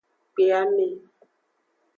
Kpe ame.